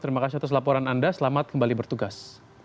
terima kasih atas laporan anda selamat kembali bertugas